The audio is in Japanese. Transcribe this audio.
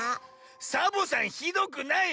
サボさんひどくないよ！